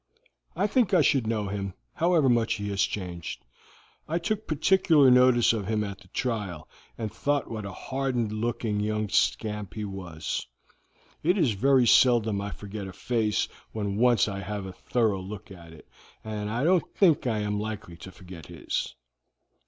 "I think I should know him, however much he has changed. I took particular notice of him at the trial, and thought what a hardened looking young scamp he was. It is very seldom I forget a face when once I have a thorough look at it, and I don't think I am likely to forget his."